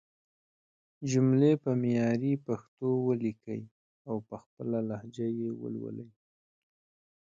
جملې په معياري پښتو وليکئ او په خپله لهجه يې ولولئ!